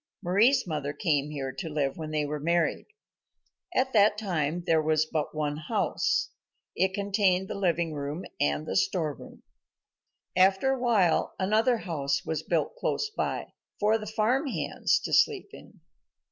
Mari's mother came here to live when they were married. At that time there was but one house. It contained the living room and the storeroom. After a while another house was built close by, for the farm hands to sleep in.